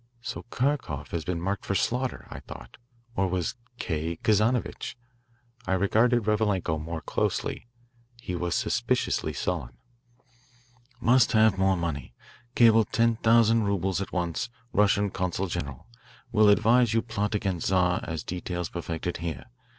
"So Kharkoff had been marked for slaughter," I thought. Or was "K." Kazanovitch? I regarded Revalenko more closely. He was suspiciously sullen. "Must have more money. Cable ten thousand rubles at once Russian consul general. Will advise you plot against Czar as details perfected here.